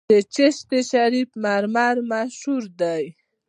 د چشت شریف مرمر مشهور دي